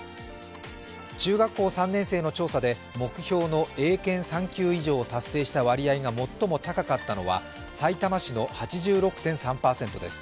中学校３年生の調査で目標の英検３級以上を達成した割合が最も高かったのはさいたま市の８６．３％です。